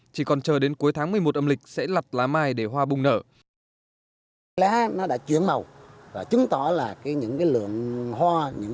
chỉ còn chờ đến cuối tháng một mươi một âm lịch sẽ lặt lá mai để hoa bùng nở